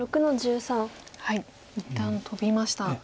一旦トビました。